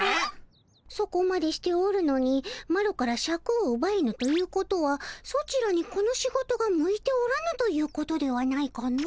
そこまでしておるのにマロからシャクをうばえぬということはソチらにこの仕事が向いておらぬということではないかの？